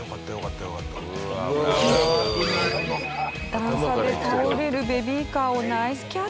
段差で倒れるベビーカーをナイスキャッチ。